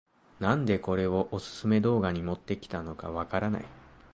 なんでこれをオススメ動画に持ってきたのかわからない